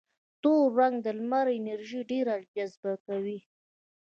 تور رنګ د لمر انرژي ډېره جذبه کوي.